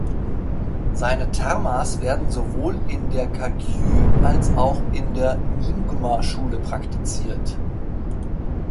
Seine Termas werden sowohl in der Kagyü- als auch in der Nyingma-Schule praktiziert.